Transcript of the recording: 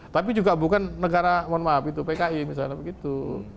tapi juga bukan negara mohon maaf itu pki misalnya begitu